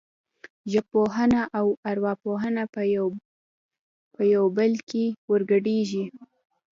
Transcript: ژبپوهنه او ارواپوهنه په یو بل کې ورګډېږي